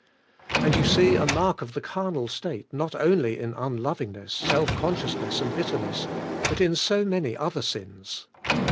And you see a mark of the carnal state not only in un lovingness, self consciousness and bitterness, but in so many other sins.